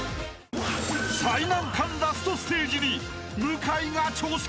［最難関ラストステージに向井が挑戦］